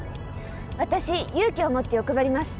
私勇気をもって欲張ります。